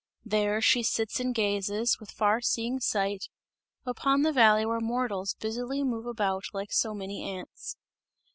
There she sits and gazes, with far seeing sight, upon the valley where mortals busily move about like so many ants.